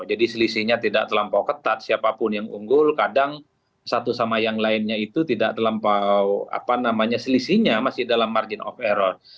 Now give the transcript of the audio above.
jadi selisihnya tidak terlampau ketat siapapun yang unggul kadang satu sama yang lainnya itu tidak terlampau selisihnya masih dalam margin of error